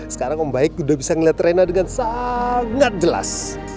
sekarang om baik udah bisa lihat rena dengan sangat jelas